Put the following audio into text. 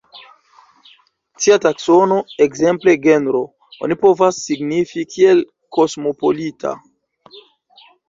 Tia taksono, ekzemple genro, oni povas signi kiel kosmopolita.